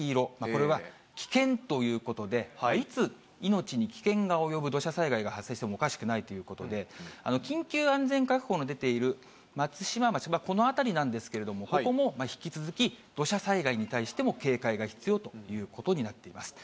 これは危険ということで、いつ命に危険が及ぶ土砂災害が発生してもおかしくないということで、緊急安全確保の出ている松島町はこの辺りなんですけれども、ここも引き続き土砂災害に対しても警戒が必要ということになっています。